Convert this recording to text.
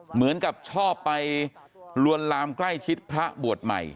เหมือนกับชอบไปลวนลามใกล้ชิดพระบวชใหม่